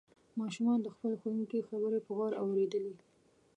ماشومانو د خپل ښوونکي خبرې په غور اوریدلې.